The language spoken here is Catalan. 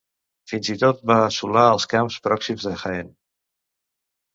Fins i tot va assolar els camps pròxims de Jaén.